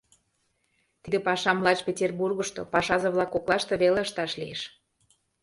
Тиде пашам лач Петербургышто, пашазе-влак коклаште, веле ышташ лиеш.